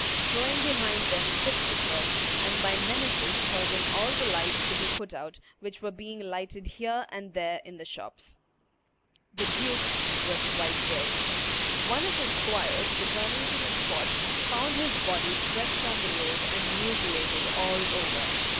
throwing behind them foot trippers, and by menaces causing all the lights to be put out which were being lighted here and there in the shops. [Illustration: Murder of the Duke of Orleans 38] The duke was quite dead. One of his squires, returning to the spot, found his body stretched on the road, and mutilated all over.